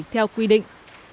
theo quy định